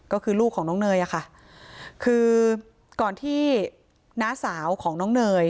ก็คือลูกของน้องเนยอะค่ะคือก่อนที่น้าสาวของน้องเนย